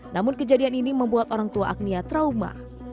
namun kejadian ini membuat orang tua agnia trauma